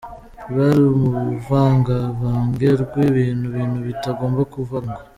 Rwari uruvangavange rw’ ibintu, ibintu bitagomba kuvangwa.